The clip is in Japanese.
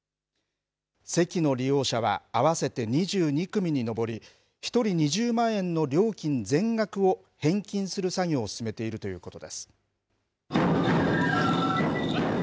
席の利用者は合わせて２２組に上り、１人２０万円の料金全額を返金する作業を進めているということです。